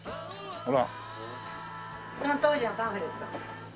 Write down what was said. ほら。